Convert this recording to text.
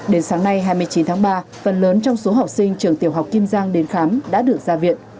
đến sáng nay hai mươi chín tháng ba phần lớn trong số học sinh trường tiểu học kim giang đến khám đã được ra viện